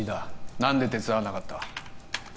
何で手伝わなかった